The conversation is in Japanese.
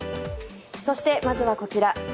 そして、まずはこちら。